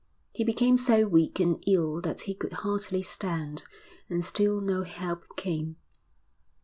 He became so weak and ill that he could hardly stand; and still no help came.